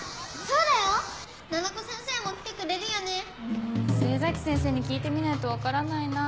・うん末崎先生に聞いてみないと分からないなぁ。